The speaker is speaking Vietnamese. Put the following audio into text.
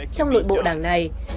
trong nội bộ đảng này